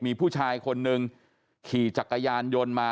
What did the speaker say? มีผู้ชายคนหนึ่งขี่จักรยานยนต์มา